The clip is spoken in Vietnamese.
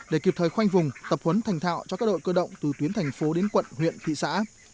để kịp thời khoanh vùng tập huấn thành thạo cho các đội cơ động từ tuyến thành phố đến quận huyện thị xã